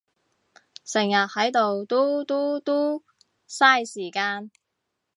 成日係到嘟嘟嘟，晒時間